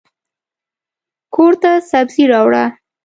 کورته سبزي راوړه.